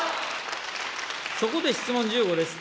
そこで質問１５です。